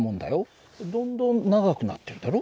どんどん長くなってるだろ？